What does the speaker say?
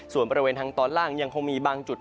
ส่วนบริเวณทางตอนล่างยังคงมีบางจุด